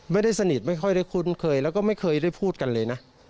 ไม่ได้สนิทไม่ค่อยได้คุ้นเคยแล้วก็ไม่เคยได้พูดกันเลยนะ